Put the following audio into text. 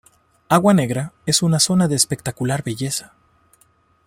Agua Negra es una zona de espectacular belleza.